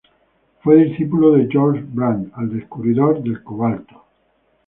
Fue discípulo de Georg Brandt, el descubridor del cobalto.